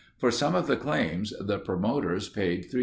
For some of the claims the promoters paid $350,000.